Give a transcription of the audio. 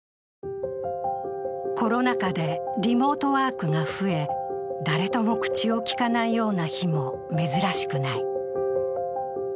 コロナ禍でリモートワークが増え、誰とも口をきかないような日も珍しくない。